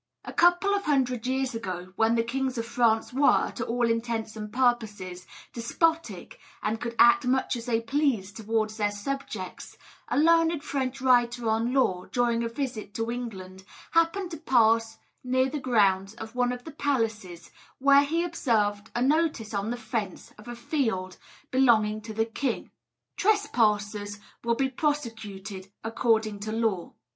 A couple of hundred years ago, when the kings of France were, to all intents and purposes, despotic, and could act much as they pleased towards their subjects, a learned French writer on law, during a visit to England, happened to pass near the grounds of one of the palaces, where he observed a notice on the fence of a field belonging to the king: "Trespassers will be prosecuted according to law."